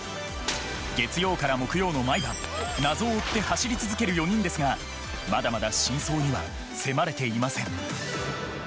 月曜から木曜の毎晩謎を追って走り続ける４人ですがまだまだ真相には迫れていません。